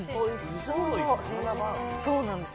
そうなんですよ。